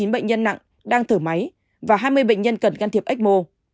hai bảy trăm bảy mươi chín bệnh nhân nặng đang thở máy và hai mươi bệnh nhân cần ngăn thiệp ecmo